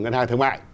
ngân hàng thương mại